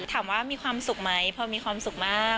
ถามว่ามีความสุขไหมพอมีความสุขมาก